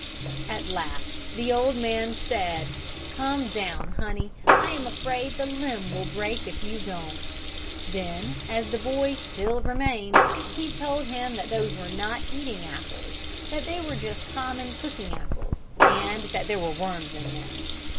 At last the old man said, "Come down, honey. I am afraid the limb will break if you don't." Then, as the boy still remained, he told him that those were not eating apples, that they were just common cooking apples, and that there were worms in them.